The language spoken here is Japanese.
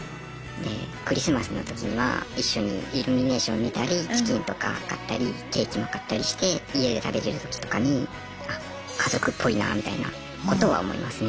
でクリスマスのときには一緒にイルミネーション見たりチキンとか買ったりケーキも買ったりして家で食べてるときとかにあっ家族っぽいなみたいなことは思いますね。